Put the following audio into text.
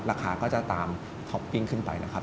ราคาก็จะตามท็อปปิ้งขึ้นไปนะครับ